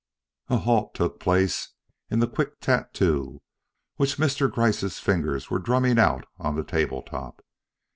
A halt took place in the quick tattoo which Mr. Gryce's fingers were drumming out on the table top.